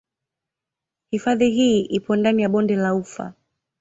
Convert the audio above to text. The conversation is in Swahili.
Hifadhi hii ipo ndani ya Bonde la Ufa